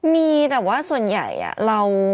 มีแต่ว่าส่วนใหญ่เรา